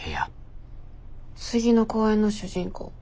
次の公演の主人公